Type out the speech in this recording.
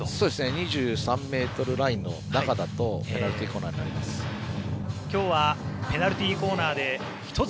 ２３ｍラインの中だとペナルティーコーナーになります。